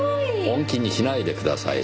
本気にしないでください。